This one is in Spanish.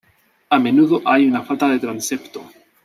A menudo hay una falta de transepto.